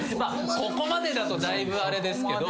ここまでだとだいぶあれですけど。